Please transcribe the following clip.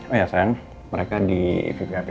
oh ya sayang mereka di vvip tiga